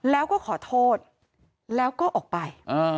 แล้วก็ขอโทษแล้วก็ออกไป